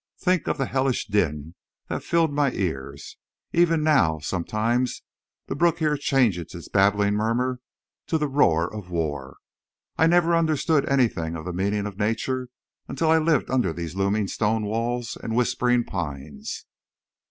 Think of the hellish din that filled my ears. Even now—sometimes, the brook here changes its babbling murmur to the roar of war. I never understood anything of the meaning of nature until I lived under these looming stone walls and whispering pines.